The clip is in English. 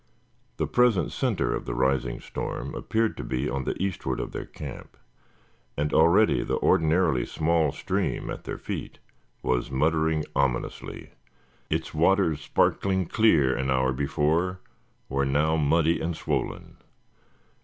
The present center of the rising storm appeared to be to the eastward of their camp, and already the ordinarily small stream at their feet was muttering ominously. Its waters, sparkling clear an hour before, were now muddy and swollen.